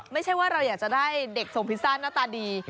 ไม่ใช่ว่าเราอยากจะได้เด็กส่งพิซซ่าหน้าตาดี